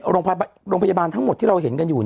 โรงพยาบาลทั้งหมดที่เราเห็นกันอยู่